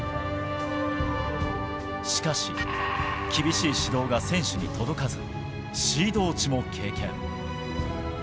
しかし、厳しい指導が選手に届かず、シード落ちも経験。